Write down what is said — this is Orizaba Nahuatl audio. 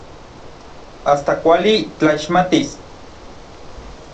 Asta kuali tlaixmatis.